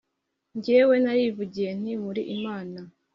jyewe narivugiye nti 'muri imana